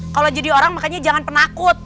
kalau jadi orang makanya jangan penakut